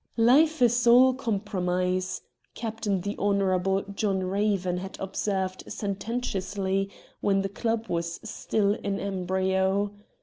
' Life is all compromise,' Captain the Honourable John Raven had observed sen ten tiou sly when the club was still in embryo.